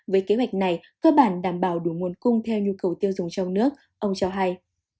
với kế hoạch này cơ bản đảm bảo đủ nguồn cung theo nhu cầu tiêu dùng trong nước ông cho hay